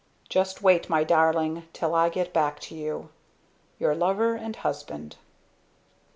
Just wait, My Darling, till I get back to you! "Your Lover and Husband."